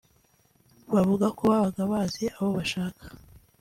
bivuga ko babaga bazi abo bashaka